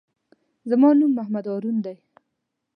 زما نوم محمد هارون دئ.